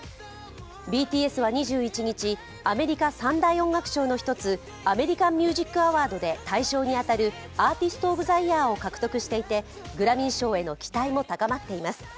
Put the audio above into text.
ＢＴＳは２１日、アメリカ３大音楽賞の一つアメリカン・ミュージック・アワードで大賞に当たる、アーティスト・オブ・ザ・イヤーを獲得していてグラミー賞への期待も高まっています。